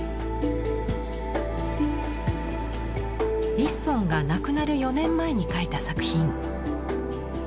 一村が亡くなる４年前に描いた作品。